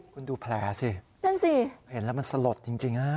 คุณดูแผลสินั่นสิเห็นแล้วมันสลดจริงนะ